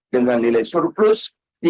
dengan nilai surplus